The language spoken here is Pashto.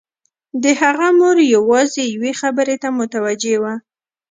د هغه مور يوازې يوې خبرې ته متوجه وه.